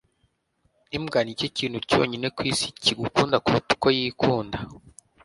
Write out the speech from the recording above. imbwa nicyo kintu cyonyine ku isi kigukunda kuruta uko yikunda